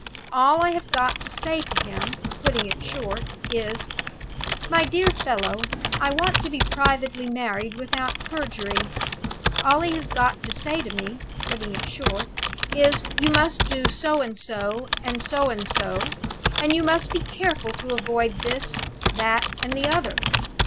All I have got to say to him (putting it short) is, 'My dear fellow, I want to be privately married without perjury.' All he has got to say to me (putting it short) is, 'You must do so and so and so and so, and you must be careful to avoid this, that, and the other.